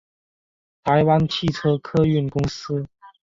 台湾汽车客运公司